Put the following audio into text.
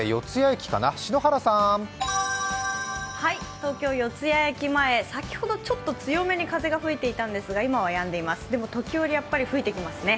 東京・四ツ谷駅前、先ほどちょっと強めに風が吹いていましたが今はやんでいますでも時折、吹いてきますね。